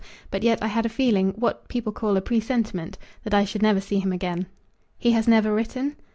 But yet, I had a feeling, what people call a presentiment, that I should never see him again." "He has never written?"